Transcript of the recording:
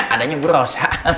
adanya ibu rosa